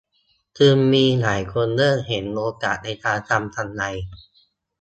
จึงมีหลายคนเริ่มเห็นโอกาสในการทำกำไร